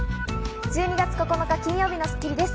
１２月９日、金曜日の『スッキリ』です。